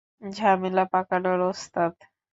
ঝামেলা পাকানোর ওস্তাদ।